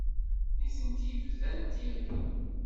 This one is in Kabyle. Nitenti bdant yagi.